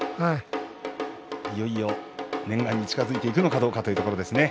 いよいよ念願に近づいていくのかというところですね。